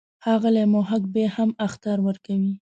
ښاغلی محق بیا هم اخطار ورکوي.